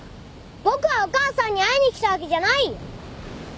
僕はお母さんに会いに来たわけじゃないよ！